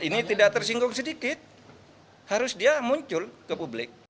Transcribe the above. ini tidak tersinggung sedikit harus dia muncul ke publik